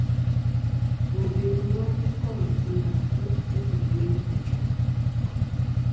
Bobe Ngong kôŋ sɨ nà se' kɨ tɨwe tɨjɨ̀m.